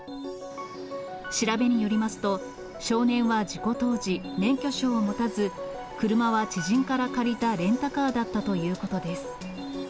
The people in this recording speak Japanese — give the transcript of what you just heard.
調べによりますと、少年は事故当時、免許証を持たず、車は知人から借りたレンタカーだったということです。